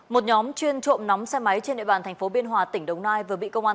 một nhóm chuyên trộm nóng xe máy trên địa bàn thành phố biên hòa tỉnh đồng nai vừa bị công an